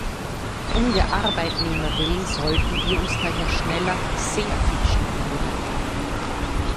Um der Arbeitnehmer willen sollten wir uns daher schneller, sehr viel schneller bewegen.